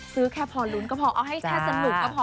แค่พอลุ้นก็พอเอาให้แค่สนุกก็พอ